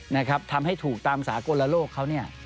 นะครับทำให้ถูกตามสากลโลกเขาเนี่ย